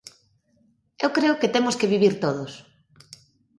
Eu creo que temos que vivir todos.